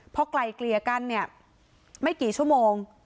พอไกลเกลี่ยกันเนี่ยไม่กี่ชั่วโมง